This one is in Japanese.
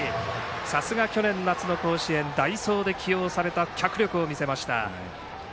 さすが、去年夏の甲子園に代走で起用された脚力を見せました。